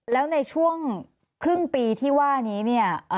แล้วในช่วงครึ่งปีที่ว่านี้เนี่ย